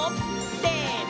せの！